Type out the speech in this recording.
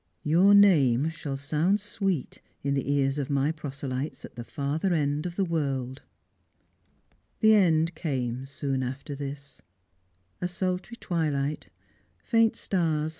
Your name shall sound sweet in the eara of my proselytes at the farther end of the world." The end came soon after this. A sultry twilight, faint stars 396 Stra'dgers and Pilgriins.